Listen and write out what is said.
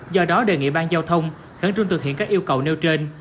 do đó đề nghị ban giao thông khẳng trung thực hiện các yêu cầu nêu trên